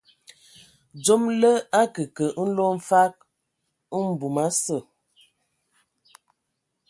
Dzom lə akǝkǝ nlo mfag mbum a sə.